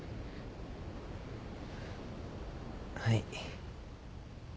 はい。